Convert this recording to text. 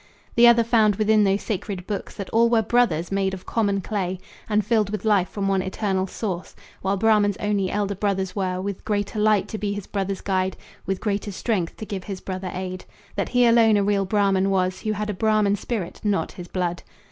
The other found within those sacred books That all were brothers, made of common clay, And filled with life from one eternal source, While Brahmans only elder brothers were, With greater light to be his brother's guide, With greater strength to give his brother aid; That he alone a real Brahman was Who had a Brahman's spirit, not his blood.